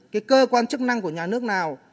cái cơ quan chức năng của nhà nước nào